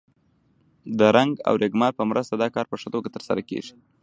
د رنګ او رېګمال په مرسته دا کار په ښه توګه سرته رسیږي.